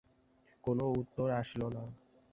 কোনো উত্তর আসিল না।